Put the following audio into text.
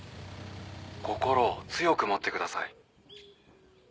「心を強く持ってください」